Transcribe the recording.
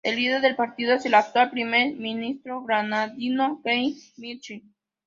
El líder del partido es el actual primer ministro granadino, Keith Mitchell.